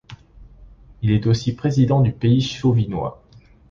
Il est aussi président du Pays Chauvinois.